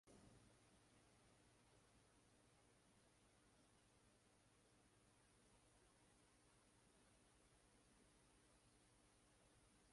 Оройн хоолоо идээд бид байшинг хоёр дахь удаагаа үзэж сонирхов.